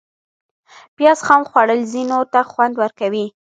پیاز خام خوړل ځینو ته خوند ورکوي